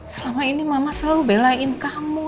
selama ini mama selalu belain kamu